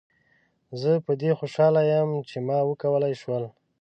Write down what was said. زه په دې خوشحاله یم چې ما وکولای شول.